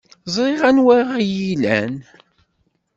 Ẓriɣ anwa ay iyi-ilan.